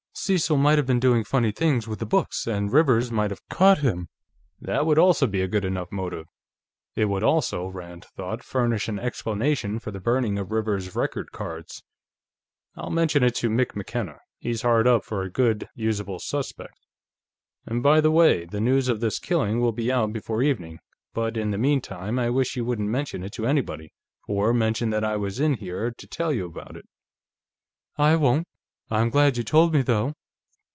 "Cecil might have been doing funny things with the books, and Rivers might have caught him." "That would also be a good enough motive." It would also, Rand thought, furnish an explanation for the burning of Rivers's record cards. "I'll mention it to Mick McKenna; he's hard up for a good usable suspect. And by the way, the news of this killing will be out before evening, but in the meantime I wish you wouldn't mention it to anybody, or mention that I was in here to tell you about it." "I won't. I'm glad you told me, though....